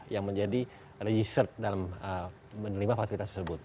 yang menjadi registered dalam lima fasilitas tersebut